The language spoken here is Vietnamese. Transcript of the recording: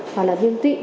hoặc là viêm tụy